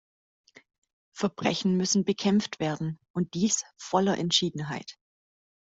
Verbrechen müssen bekämpft werden, und dies voller Entschiedenheit.